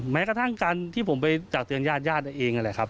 แม้กระทั่งการที่ผมไปจากเตือนญาติญาติเองนั่นแหละครับ